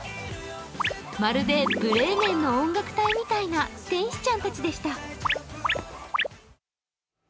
まるでブレーメンの音楽隊みたいな天使ちゃんたちでした。